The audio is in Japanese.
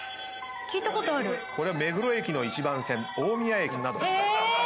これは目黒駅の１番線大宮駅など。